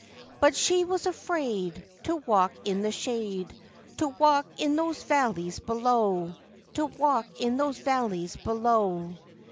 But she was afraid To walk in the shade, To walk in those valleys below, To walk in those valleys below.